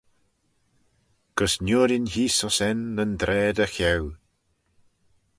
Gys niurin heese aynshen nyn draa dy cheau.